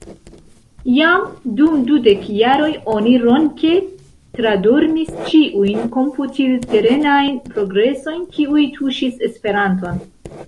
Jam dum dudek jaroj oni ronke tradormis ĉiujn komputilterenajn progresojn, kiuj tuŝis Esperanton.